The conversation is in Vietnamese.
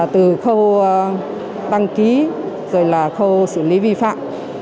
từ khâu đăng ký rồi là khâu xử lý vi phạm